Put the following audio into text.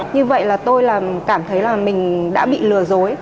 như vậy là tôi là cảm thấy là mình đã bị lừa dối